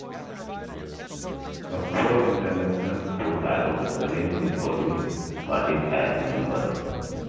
The Fourth International Posadist claims the following parties as members.